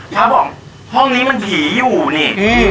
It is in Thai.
เขาบอกห้องนี้มันผีอยู่นี่